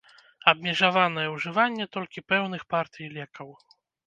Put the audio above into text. Абмежаванае ўжыванне толькі пэўных партый лекаў.